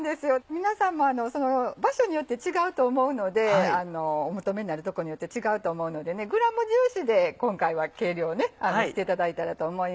皆さんも場所によって違うと思うのでお求めになるとこによって違うと思うのでグラム重視で今回は計量していただいたらと思います。